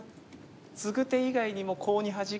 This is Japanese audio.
ツグ手以外にもコウにハジく